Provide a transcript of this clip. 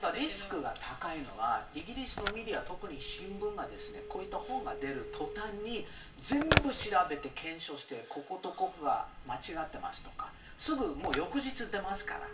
ただリスクが高いのはイギリスのメディア、特に新聞がこういった本が出ると全部調べて検証してこことここが間違っていますとかすぐに翌日出ますから。